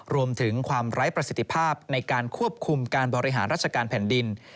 รวมถึงความไร้ประสิทธิภาพในการควบคุมการบริหารราชการแผ่นดิน